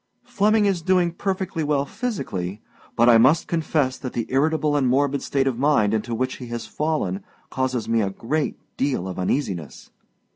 Flemming is doing perfectly well physically; but I must confess that the irritable and morbid state of mind into which he has fallen causes me a great deal of uneasiness.